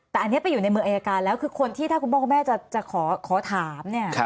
แต่อันนี้ไปอยู่ในมืออายการแล้วคือคนที่ถ้าคุณพ่อคุณแม่จะขอถามเนี่ย